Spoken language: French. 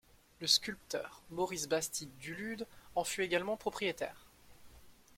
Le sculpteur Maurice Bastide du Lude en fut également propriétaire.